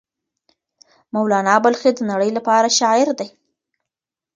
مولانا بلخي د نړۍ لپاره شاعر دی.